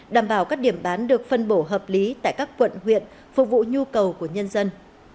đảm bảo các điểm bán được phân bổ hợp lý tại các quận huyện phục vụ nhu cầu của nhân dân